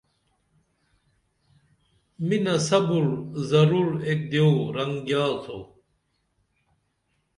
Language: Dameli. مِنہ صبر ضرور ایک دیو رنگ گیاڅو